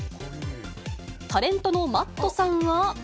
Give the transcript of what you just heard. タレントのＭａｔｔさんは。